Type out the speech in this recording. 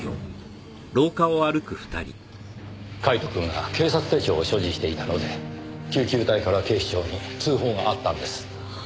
カイトくんが警察手帳を所持していたので救急隊から警視庁に通報があったんです。